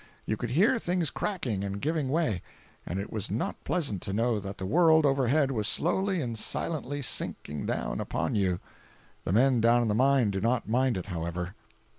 You could hear things cracking and giving way, and it was not pleasant to know that the world overhead was slowly and silently sinking down upon you. The men down in the mine do not mind it, however.